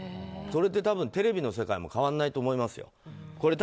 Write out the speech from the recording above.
それって多分テレビの世界も変わらないと思いますよ。